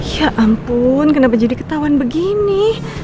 ya ampun kenapa jadi ketahuan begini